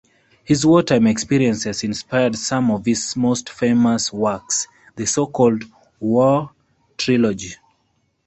His wartime experiences inspired some of his most famous works, the so-called war trilogy.